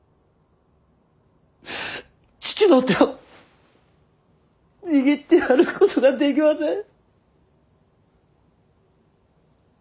父の手を握ってやることができません。